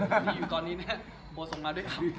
ที่ยังอยู่ก่อนนี้นะโปส่งมาด้วยครับ